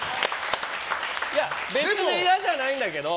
別に嫌じゃないんだけど。